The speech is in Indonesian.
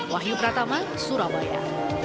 wahyu pratama surabaya